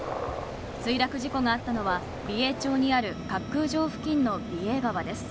墜落事故があったのは美瑛町にある滑空場付近の美瑛川です。